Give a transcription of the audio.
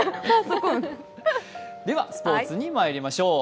ではスポーツにまいりましょう。